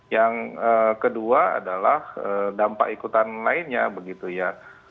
yang kedua adalah dampak ikutan lainnya begitu ya